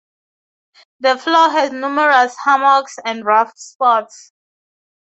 The floor has numerous hummocks and rough spots.